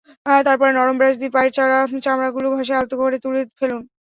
তারপরে নরম ব্রাশ দিয়ে পায়ের মরা চামড়াগুলো ঘষে আলতো করে তুলে ফেলুন।